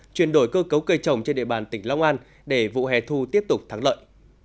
chuyển đổi cơ cấu cây trồng trên địa bàn tỉnh long an để vụ hẻ thu tiếp tục thắng lợi